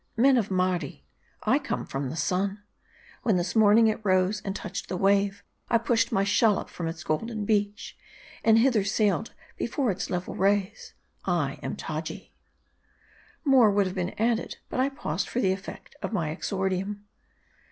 " Men of Mardi, I come from the sun. When this morning it rose and touched the wave, I pushed my shallop from its golden beach, and hither sailed before its level rays. I am Taji." MARDI. 197 More would have been added, but I paused for the effect of my exordium.